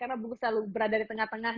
karena bungkus selalu berada di tengah tengah